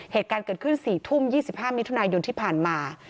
เหตุการณ์เกิดขึ้น๔ทุ่ม๒๕มิถุนายนที่ผ่านมา